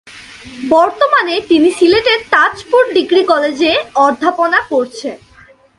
বর্তমানে তিনি সিলেটের তাজপুর ডিগ্রী কলেজে অধ্যাপনা করছেন।